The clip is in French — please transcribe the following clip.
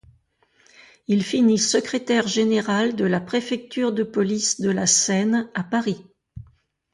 Il finit secrétaire général de la préfecture de police de la Seine à Paris.